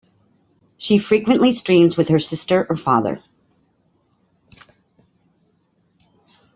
She frequently streams with her sister or father.